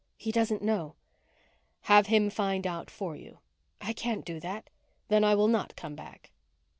"He doesn't know." "Have him find out for you." "I can't do that." "Then I will not come back."